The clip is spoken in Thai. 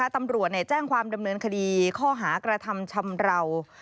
ตำรวจแจ้งความดำเนินคดีข้อหากระทำชำราว